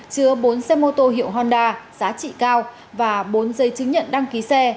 chứa bốn xe mô tô hiệu honda giá trị cao và bốn giấy chứng nhận đăng ký xe